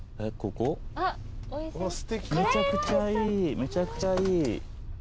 めちゃくちゃいい。